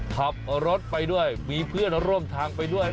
ขับรถไปด้วยมีเพื่อนร่วมทางไปด้วย